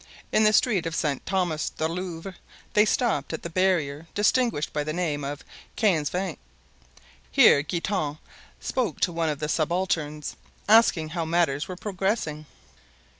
In the street of Saint Thomas du Louvre they stopped at the barrier distinguished by the name of Quinze Vingts. Here Guitant spoke to one of the subalterns, asking how matters were progressing.